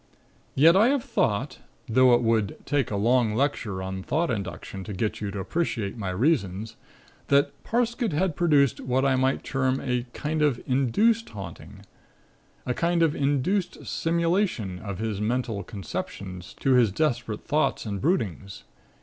Yet I have thought, though it would take a long lecture on Thought Induction to get you to appreciate my reasons, that Parsket had produced what I might term a kind of 'induced haunting,' a kind of induced simulation of his mental conceptions to his desperate thoughts and broodings.